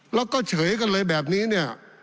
แล้วก็เฉยกันเลยแบบนี้เนี่ย